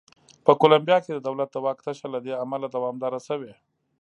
په کولمبیا کې د دولت د واک تشه له دې امله دوامداره شوې.